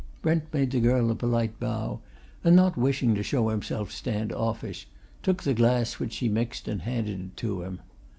Brent made the girl a polite bow and, not wishing to show himself stand offish, took the glass which she mixed and handed to him.